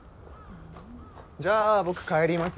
じゃあ僕帰ります。